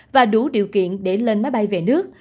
và đủ điều kiện để lên máy bay về nước